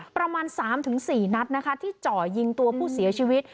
ประมาณ๓๔นัดนะคะที่เจาะยิงตัวผู้เสียชีวิต